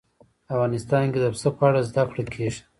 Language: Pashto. افغانستان کې د پسه په اړه زده کړه کېږي.